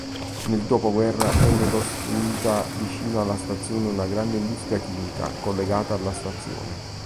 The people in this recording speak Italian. Nel dopoguerra venne costruita vicino alla stazione una grande industria chimica, collegata alla stazione.